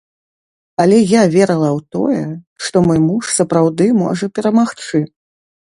Але я верыла ў тое, што мой муж сапраўды можа перамагчы.